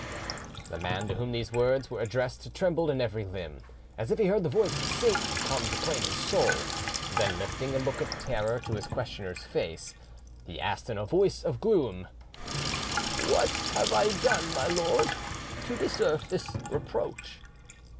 The man to whom these words were addressed trembled in every limb, as if he heard the voice of Satan come to claim his soul; then lifting a look of terror to his questioner's face, he asked in a voice of gloom— "What have I done, my lord, to deserve this reproach?"